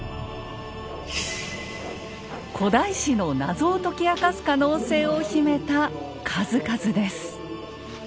古代史の謎を解き明かす可能性を秘めた数々です。